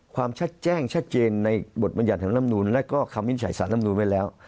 ความชัดแจ้งชัดเจนในบทบรรยาธรรมนุนและก็คำวินิจฉัยศาสตร์นำนุนไว้แล้ว